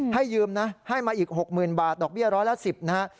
ยืมนะให้มาอีก๖๐๐๐บาทดอกเบี้ยร้อยละ๑๐นะฮะ